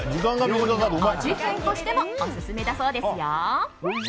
料理の味変としてもオススメだそうですよ。